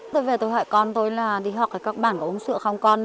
tôi về tôi hỏi con tôi là đi học các bạn có uống sữa không con